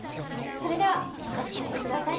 それではまた聴いてください。